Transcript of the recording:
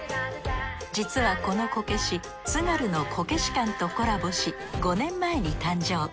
実はこのこけし津軽のこけし館とコラボし５年前に誕生。